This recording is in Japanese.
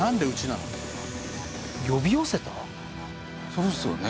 そうですよね。